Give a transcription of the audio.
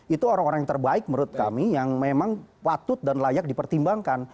itu orang orang yang terbaik menurut kami yang memang patut dan layak dipertimbangkan